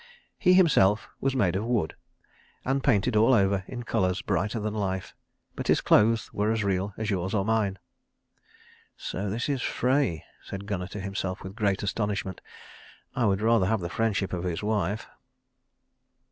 He himself was made of wood and painted all over in colours brighter than life, but his clothes were as real as yours or mine. "So this is Frey," said Gunnar to himself with great astonishment. "I would rather have the friendship of his wife."